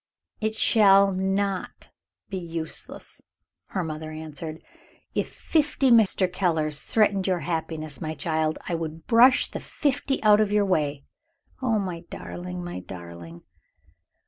"It shall not be useless," her mother answered. "If fifty Mr. Kellers threatened your happiness, my child, I would brush the fifty out of your way. Oh, my darling, my darling!"